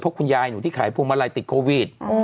เพราะคุณยายหนูที่ขายพวงมาลัยติดโควิด